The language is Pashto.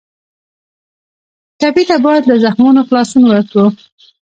ټپي ته باید له زخمونو خلاصون ورکړو.